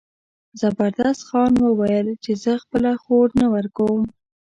زبردست خان وویل چې زه خپله خور نه ورکوم.